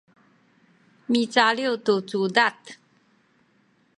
micaliw tu cudad